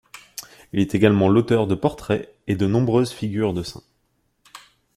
Il est également l'auteur de portraits et de nombreuses figures de saints.